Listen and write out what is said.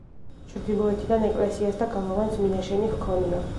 ჩრდილოეთიდან ეკლესიას და გალავანს მინაშენი ჰქონია.